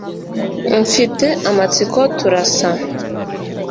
mfite amatsiko, turasa